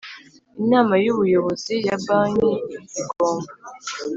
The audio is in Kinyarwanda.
Inama y Ubuyobozi ya banki igomba